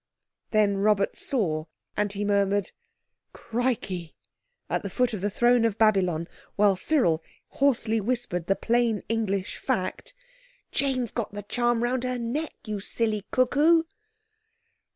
Then Robert saw, and he murmured, "Crikey!" at the foot of the throne of Babylon; while Cyril hoarsely whispered the plain English fact— "Jane's got the charm round her neck, you silly cuckoo."